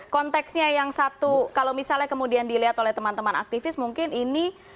konteksnya yang satu kalau misalnya kemudian dilihat oleh teman teman aktivis mungkin ini